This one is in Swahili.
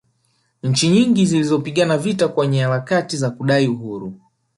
nchi nyingi zilipigana vita kwenye harakati za kudai uhuru